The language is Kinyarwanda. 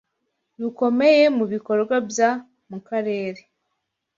rukomeye mu bikorwa bya mu karere